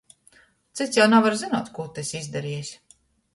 Cyts jau navar zynuot, kū tu esi izdarejs.